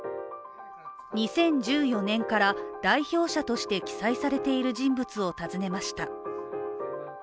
２０１４年から、代表者として記載されている人物を訪ねました。